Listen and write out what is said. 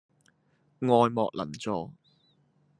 愛莫能助